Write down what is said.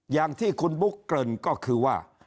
อย่างที่คุณบุ๊กเกริ่นก็คือว่า